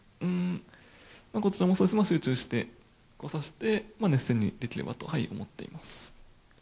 こちらも集中して指して熱戦にできればと思っています。